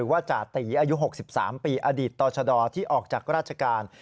ว่าจาตีอายุ๖๓ปีอดีตต่อชะดอที่ออกจากราชการ